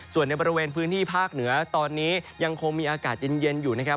ส่วนในบริเวณพื้นที่ภาคเหนือตอนนี้ยังคงมีอากาศเย็นอยู่นะครับ